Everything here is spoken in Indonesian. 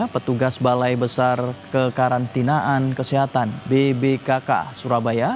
petugas balai besar kekarantinaan kesehatan bbkk surabaya